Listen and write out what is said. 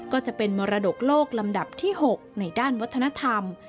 ก็จะเป็นมรดกโลกลำดับที่๖ในด้านวัฒนธรรม